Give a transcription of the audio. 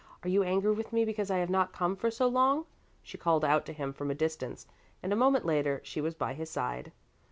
Are you angry with me because I have not come for so long?" she called out to him from a distance, and a moment later she was by his side.